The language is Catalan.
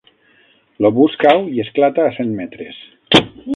L'obús cau i esclata a cent metres.